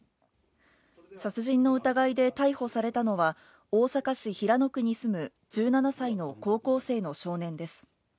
殺人の疑いで逮捕されたのは、大阪市平野区に住む１７歳の高校生の少年です。